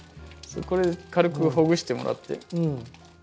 これ軽くほぐしてもらって。